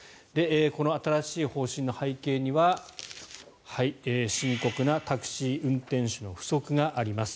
この新しい方針の背景には深刻なタクシー運転手の不足があります。